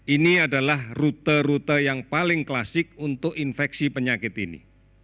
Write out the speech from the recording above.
ini adalah rute rute yang paling klasik untuk infeksi penyakit ini